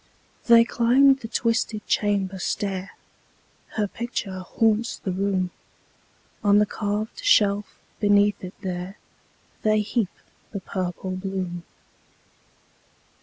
They climb the twisted chamber stair; Her picture haunts the room; On the carved shelf beneath it there, They heap the purple bloom.